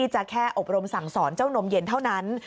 จะแค่อบรมสั่งสอนเจ้านมเย็นเท่านั้น